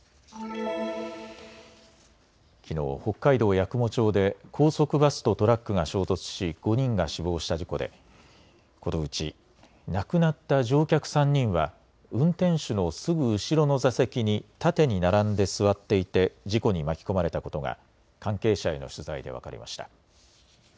きのう北海道八雲町で高速バスとトラックが衝突し５人が死亡した事故でこのうち亡くなった乗客３人は運転手のすぐ後ろの座席に縦に並んで座っていて事故に巻き込まれたことが関係者への取材で分かりました。